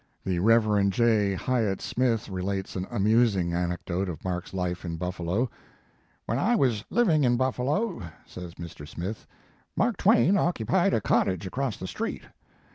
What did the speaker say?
The Reverend J. Hyatt Smith relates an amusing anecdote of Mark s life in Buffalo: "When I was living in Buffalo," says Mr. Smith, "Mark Twain occupied a cottage across the street.